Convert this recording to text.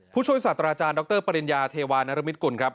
ผู้ช่วยศาสตราจารย์ดรปริญญาเทวานรมิตกุลครับ